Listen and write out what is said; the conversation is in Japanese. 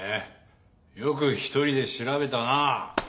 よく１人で調べたなぁ。